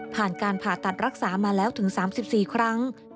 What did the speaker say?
ผ่านการผ่าตัดรักษามาแล้วถึง๓๔ครั้ง